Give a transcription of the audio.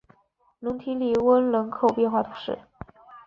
龙提尼翁人口变化图示